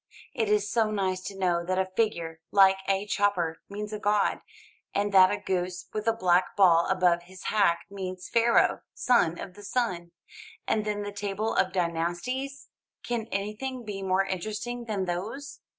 It is so nice to know that a figure like a chopper means a god, and that a goose with a black ball above his hack means Pharaoh, son of the sun. And then the table of dynasties: can anything be more interesting than those?